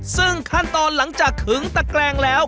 ซึ่งขั้นตอนหลังจากขึงตะแกรงแล้ว